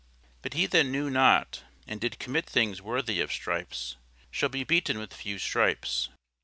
But he that knew not, and did commit things worthy of stripes, shall be beaten with few stripes.